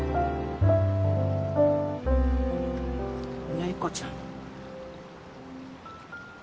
怜子ちゃん？